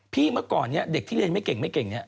พี่เมื่อก่อนเนี่ยเด็กที่เรียนไม่เก่ง